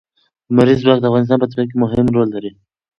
لمریز ځواک د افغانستان په طبیعت کې مهم رول لري.